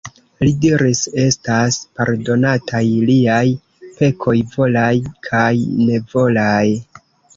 Li diris: "Estas pardonataj liaj pekoj volaj kaj nevolaj."